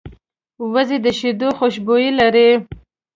وزې د شیدو خوشبويي لري